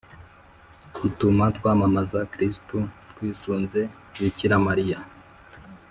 ituma twamamaza kristu twisunze bikira mariya